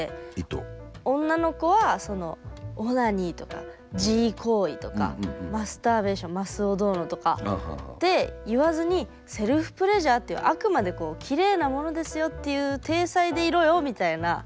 女の子はそのオナニーとか自慰行為とかマスターベーションマスをどうのとかって言わずにセルフプレジャーっていうあくまでこうきれいなものですよっていう体裁でいろよみたいな。